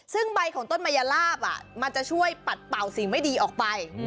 ซึ่งใบของต้นมัยลาบมันจะช่วยปัดเป่าสิ่งไม่ดีออกไป